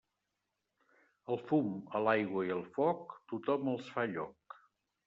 Al fum, a l'aigua i al foc, tothom els fa lloc.